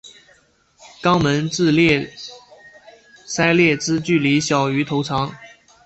肛门至鳃裂之距离小于头长。